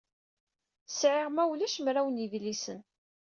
Sɛiɣ, ma ulac, mraw n yidlisen.